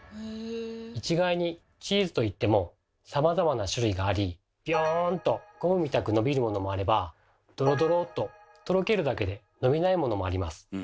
一概に「チーズ」といってもさまざまな種類がありビヨンとゴムみたく伸びるものもあればドロドロととろけるだけで伸びないものもあります。